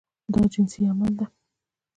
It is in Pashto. دا جنسي عمل ده.